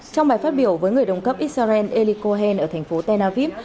trong bài phát biểu với người đồng cấp israel eli cohen ở thành phố tel aviv